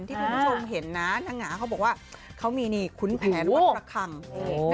ที่คุณผู้ชมเห็นนะนางหงาเขาบอกว่าเขามีนี่ขุนแผนวัดระคัง